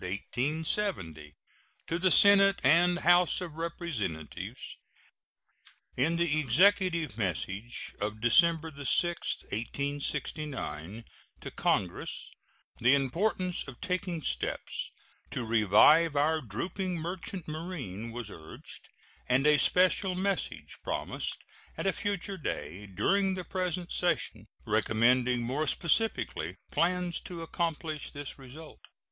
To the Senate and House of Representatives: In the Executive message of December 6, 1869, to Congress the importance of taking steps to revive our drooping merchant marine was urged, and a special message promised at a future day during the present session, recommending more specifically plans to accomplish this result.